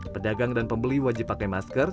pedagang dan pembeli wajib pakai masker